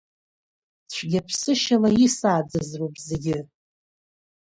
Цәгьаԥсышьала исааӡаз роуп зегьы!